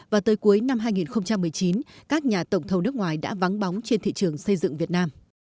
và tới cuối năm hai nghìn một mươi chín các nhà tổng thầu nước ngoài đã vắng bóng trên thị trường xây dựng việt nam